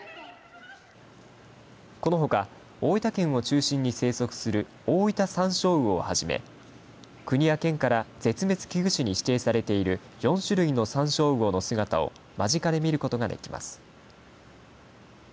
このほか大分県を中心に生息するオオイタサンショウウオをはじめ国や県から絶滅危惧種に指定されている４種類のサンショウウオの姿を間近で見ることができます。